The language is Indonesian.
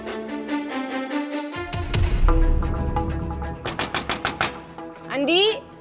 apa yang sebenernya terjadi sama andi